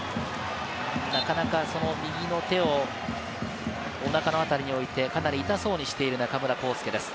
なかなか右の手をおなかのあたりに置いて、かなり痛そうにしている中村航輔です。